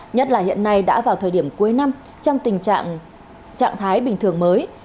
nhất là hiện nay đã vào thời điểm cuối năm trong tình trạng trạng thái bình thường mới